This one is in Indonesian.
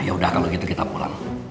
ya udah kalau gitu kita pulang